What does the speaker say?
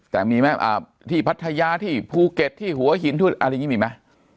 แล้วมีแม่ย์พัทยาที่ภูเก็ตที่หัวหินทวดอะไรยังมีไหม